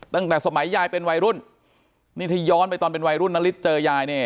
ตั้งแต่สมัยยายเป็นวัยรุ่นนี่ถ้าย้อนไปตอนเป็นวัยรุ่นนาริสเจอยายเนี่ย